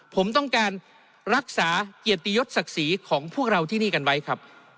ผมต้องการรักษาเกียรติยศศักดิ์ศรีของพวกเราที่นี่กันไว้ครับ